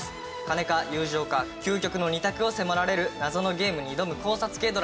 金か友情か究極の２択を迫られる謎のゲームに挑む考察系ドラマです。